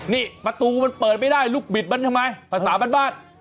นี่ประตูมันเปิดไม่ได้ลูกบิดมันทำไมภาษาบ้าน